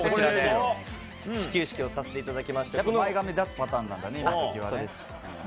始球式をさせていただきましを出すパターンなんだね。